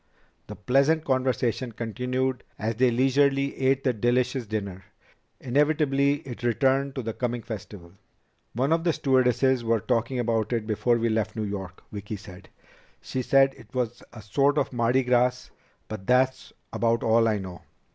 The pleasant conversation continued as they leisurely ate the delicious dinner. Inevitably it returned to the coming festival. "One of the stewardesses was talking about it before we left New York," Vicki said. "She said it was a sort of Mardi Gras, but that's about all I know."